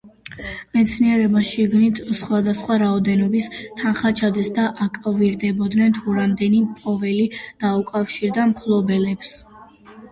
მეცნიერებმა შიგნით სხვადასხვა რაოდენობის თანხა ჩადეს და აკვირდებოდნენ, თუ რამდენი მპოვნელი დაუკავშირდებოდა მფლობელს.